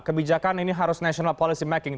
kebijakan ini harus national policy making